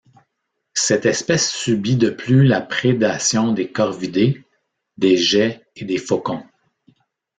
Cette espèce subit de plus la prédation des Corvidés, des geais et des faucons.